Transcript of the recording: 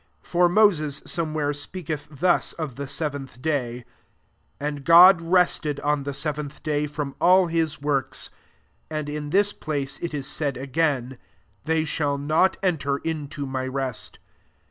4 For Moaea somewhere s^eaketh thus of the seventh ifey, « And God rested on the leventh day from all his works.'* 9 And in this place it ia aaid again, " They shall not enter kito my rest.